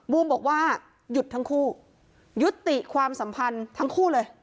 บูมบอกว่าหยุดทั้งคู่ยุติความสัมพันธ์ทั้งคู่เลย